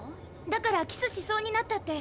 だからキスしそうになったって。